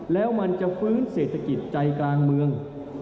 แล้วมันจะฟื้นเศรษฐกิจใจกลางเมือง